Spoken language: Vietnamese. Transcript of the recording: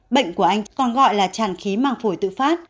bệnh của anh còn gọi là tràn khí màng phổi tự phát